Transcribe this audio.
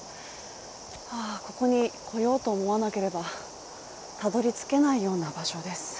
ここに来ようと思わなければたどり着けないような場所です。